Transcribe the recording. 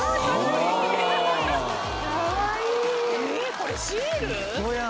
これシール？